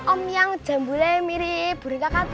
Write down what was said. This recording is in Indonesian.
om yang jambulnya mirip burung kakak tua